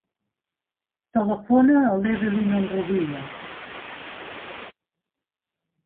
Telefona a l'Evelyn Onrubia.